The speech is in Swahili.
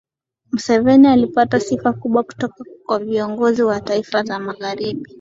museveni alipata sifa kubwa kutoka kwa viongozi wa mataifa ya magharibi